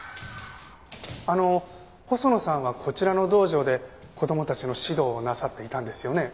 あの細野さんはこちらの道場で子供たちの指導をなさっていたんですよね？